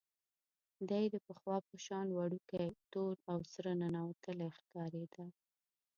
دی د پخوا په شان وړوکی، تور او سره ننوتلی ښکارېده.